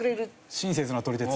親切な撮り鉄。